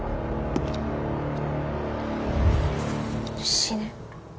死ね。